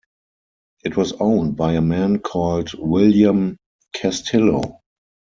It was owned by a man called William Castillo.